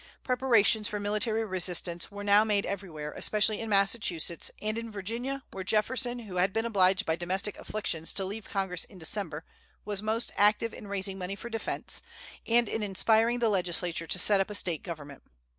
Preparations for military resistance were now made everywhere, especially in Massachusetts, and in Virginia, where Jefferson, who had been obliged by domestic afflictions to leave Congress in December, was most active in raising money for defence, and in inspiring the legislature to set up a State government.